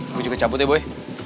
gue juga cabut ya boy